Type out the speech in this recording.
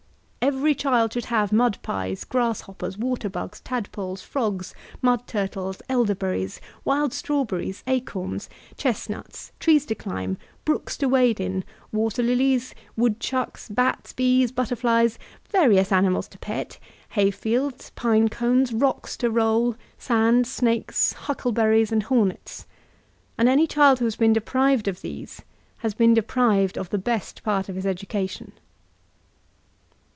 "Every child should have mud pies, grasshoppers, water bugs, tadpoles, frogs, mud turtles, elderberries, wild strawberries, acorns, chestnuts, trees to climb, brooks to wade in, water lilies, woodchucks, bats, bees, butterflies, various animak to pet, hay fidds, pine cones, rocks to roll, sand, snakes, huckleberries, and hornets; and any child who has been deprived of these has been deprived of the best part of his education."